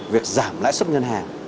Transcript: việc giảm lãi suất ngân hàng